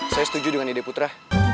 saya setuju dengan ide putra